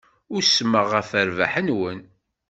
Usmeɣ ɣef rrbeḥ-nwen.